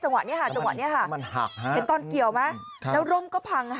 จังหวัดนี้ค่ะจังหวัดนี้ค่ะเห็นตอนเกี่ยวไหมแล้วร่มก็พัง